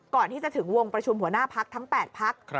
ก่อนที่จะถึงวงประชุมหัวหน้าพักทั้ง๘พัก